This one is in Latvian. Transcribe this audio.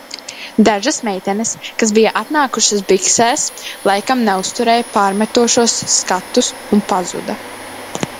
Dažas meitenes, kas bija atnākušas biksēs laikam neizturēja pārmetošos skatus un pazuda.